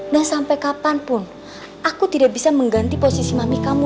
dan sampai kapanpun aku tidak bisa mengganti posisi mami kamu